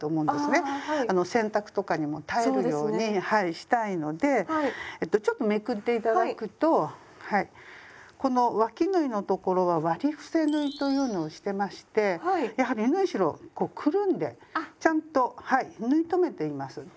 はいしたいのでちょっとめくって頂くとこのわき縫いの所は「割り伏せ縫い」というのをしてましてやはり縫い代をくるんでちゃんとはい縫い留めています。